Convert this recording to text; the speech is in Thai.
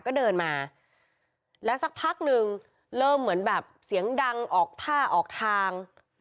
ก็เดินมาแล้วสักพักหนึ่งเริ่มเหมือนแบบเสียงดังออกท่าออกทาง